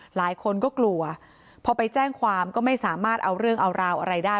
หลายคนก็กลัวพอไปแจ้งความก็ไม่สามารถเอาเรื่องเอาราวอะไรได้